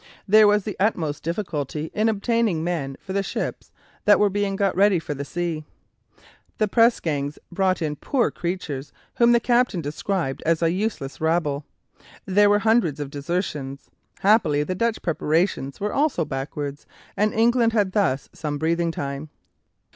There was the utmost difficulty in obtaining men for the ships that were being got ready for sea. The pressgangs brought in poor creatures whom the captains described as a useless rabble. There were hundreds of desertions. Happily the Dutch preparations were also backward, and England had thus some breathing time.